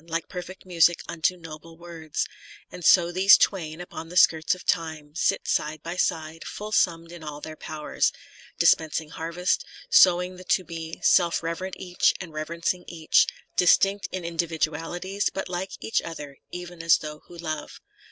Like perfect music unto noble words ; And so these twain, upon the skirts of Time, Sit side by side, full summ'd in all their powers, Dispensing harvest, sowing the To be, Self reverent each and reverencing each Distinct in individualities, But like each other ev'n as those who love.